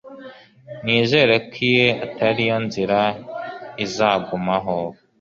nizere ko iyi atariyo nzira izagumaho